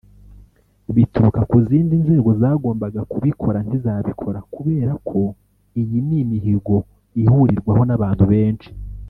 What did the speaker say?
bituruka ku zindi nzego zagombaga kubikora ntizabikora kubera ko iyi ni imihigo ihurirwaho n’abantu benshi”